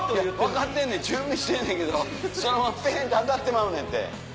分かってんねん準備してんねんけどそのままペンって当たってまうねんって。